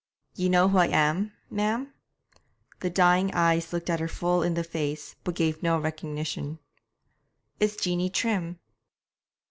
'Ye know who I am, ma'am?' The dying eyes looked her full in the face, but gave no recognition. 'It's Jeanie Trim.'